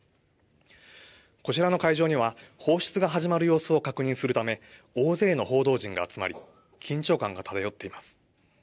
こちらの会場には放出が始まる様子を確認するため大勢の報道陣が集まり緊張感が漂っています。